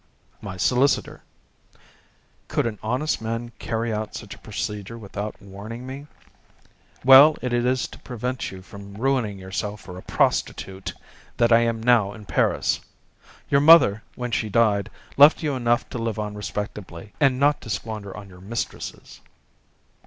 "My solicitor. Could an honest man carry out such a procedure without warning me? Well, it is to prevent you from ruining yourself for a prostitute that I am now in Paris. Your mother, when she died, left you enough to live on respectably, and not to squander on your mistresses."